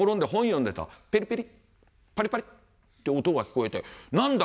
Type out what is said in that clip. ペリペリパリパリって音が聞こえて何だ？